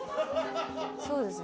そうですね。